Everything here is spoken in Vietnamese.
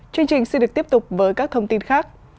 chương trình xin được tiếp tục với các thông tin khác